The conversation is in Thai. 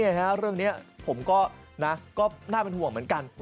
เรื่องนี้ผมก็น่าเป็นห่วงเหมือนกัน